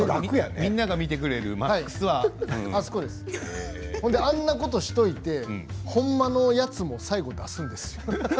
みんなが見てくれるあんなことしといてほんまのやつも最後出すんですよ。